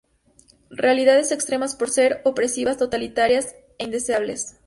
Realidades extremas por ser opresivas, totalitarias e indeseables.